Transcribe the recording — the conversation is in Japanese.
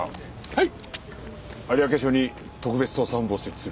はい！